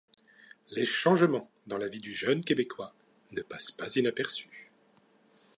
Les changements dans la vie du jeune Québécois ne passent pas inaperçus.